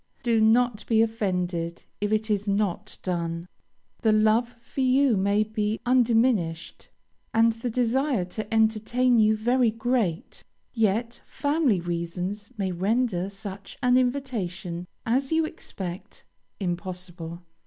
Do not be offended if it is not done. The love for you may be undiminished, and the desire to entertain you very great, yet family reasons may render such an invitation as you expect, impossible.